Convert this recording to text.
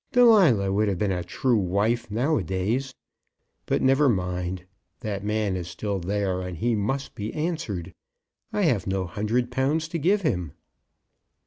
"Delilah would have been a true wife now a days. But never mind. That man is still there, and he must be answered. I have no hundred pounds to give him."